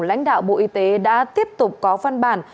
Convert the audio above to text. lãnh đạo bộ y tế đã tiếp tục có văn bản